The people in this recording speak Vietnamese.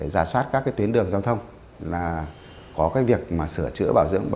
giả soát các cái tuyến đường giao thông là có cái việc mà sửa chữa bảo dưỡng